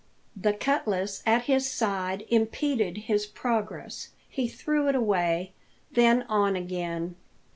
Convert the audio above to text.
The cutlass at his side impeded his progress. He threw it away. Then on again.